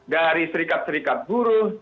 dari serikat serikat buruh